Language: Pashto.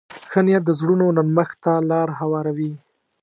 ښه نیت د زړونو نرمښت ته لار هواروي.